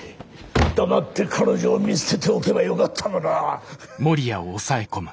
黙って彼女を見捨てておけばよかったのだ。